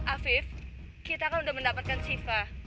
afif kita kan udah mendapatkan shiva